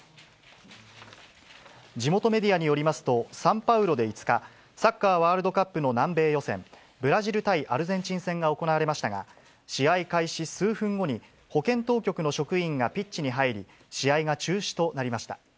地元メディアによりますと、サンパウロで５日、サッカーワールドカップの南米予選、ブラジル対アルゼンチン戦が行われましたが、試合開始数分後に、保健当局の職員がピッチに入り、試合が中止となりました。